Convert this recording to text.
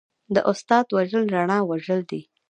د استاد وژل رڼا وژل دي.